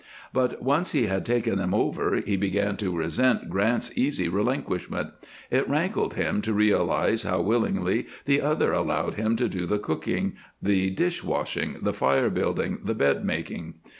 But, once he had taken them over, he began to resent Grant's easy relinquishment; it rankled him to realize how willingly the other allowed him to do the cooking, the dish washing, the fire building, the bed making.